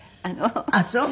あっそう。